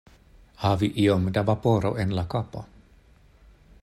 Havi iom da vaporo en la kapo.